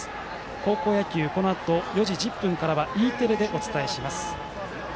高校野球はこのあと４時１０分からはＥテレでお伝えします。